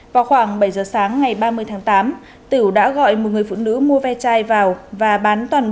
vào khoảng bảy giờ sáng ngày ba mươi tháng tám tiểu đã gọi một người phụ nữ mua ve chai vào và bán toàn bộ